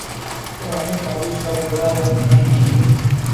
پرانے کالج کا بیڑہ غرق نہ کیجئے۔